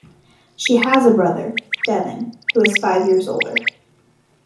She has a brother, Devin, who is five years older.